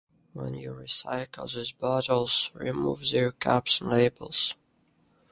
When you recycle those bottles, remove their caps and labels.